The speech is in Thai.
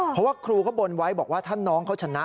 เพราะว่าครูเขาบนไว้บอกว่าถ้าน้องเขาชนะ